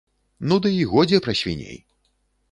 Ну дый годзе пра свіней.